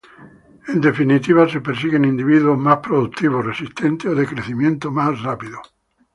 En definitiva se persiguen individuos más productivos, resistentes o de crecimiento más rápido.